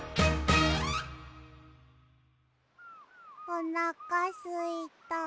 おなかすいた。